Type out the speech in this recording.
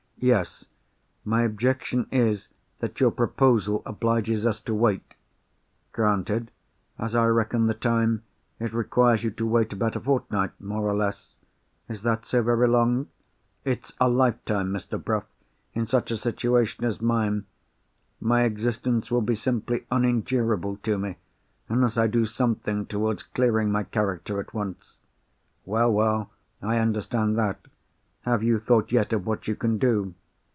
"Yes. My objection is, that your proposal obliges us to wait." "Granted. As I reckon the time, it requires you to wait about a fortnight—more or less. Is that so very long?" "It's a life time, Mr. Bruff, in such a situation as mine. My existence will be simply unendurable to me, unless I do something towards clearing my character at once." "Well, well, I understand that. Have you thought yet of what you can do?"